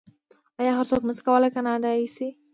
آیا هر څوک نشي کولی کاناډایی شي؟